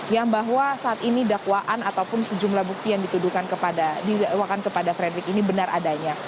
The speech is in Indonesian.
yang bahwa saat ini dakwaan ataupun sejumlah bukti yang dituduhkan kepada frederick ini benar adanya